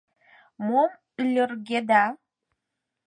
— Мом льыргеда?